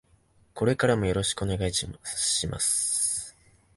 これからもよろしくお願いします。